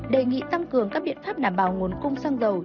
đề nghị tăng cường các biện pháp đảm bảo nguồn cung xăng dầu